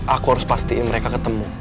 aku harus pastiin mereka ketemu